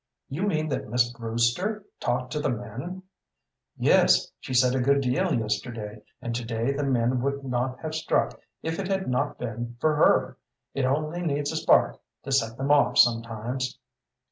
"You mean that Miss Brewster talked to the men?" "Yes; she said a good deal yesterday, and to day the men would not have struck if it had not been for her. It only needs a spark to set them off sometimes."